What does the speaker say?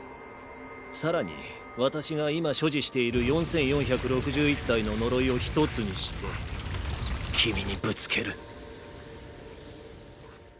更に私が今所持している４４６１体の呪いを１つにして君にぶつける。